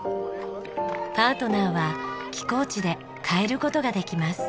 パートナーは寄港地で替えることができます。